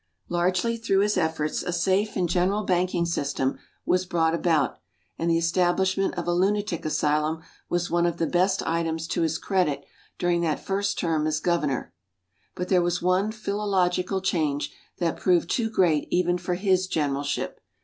Largely through his efforts, a safe and general banking system was brought about; and the establishment of a lunatic asylum was one of the best items to his credit during that first term as Governor. But there was one philological change that proved too great even for his generalship.